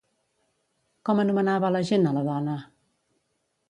Com anomenava la gent a la dona?